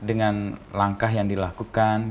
dengan langkah yang dilakukan